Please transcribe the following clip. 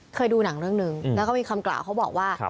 เคยดูหนังเรื่องหนึ่งแล้วก็มีคำกล่าวเขาบอกว่า